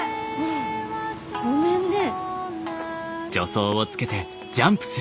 あっごめんね。